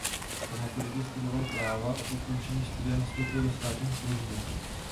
Po maturitě studoval práva a po ukončení studia nastoupil do státní služby.